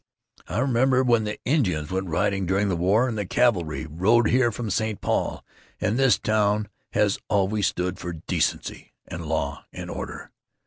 I remember when the Indians went raiding during the war and the cavalry rode here from St. Paul. And this town has always stood for decency and law and order.